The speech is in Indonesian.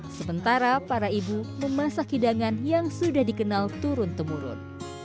sementara para ibu memasak hidangan yang sudah dikenal turun temurun